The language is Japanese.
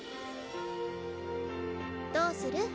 どうする？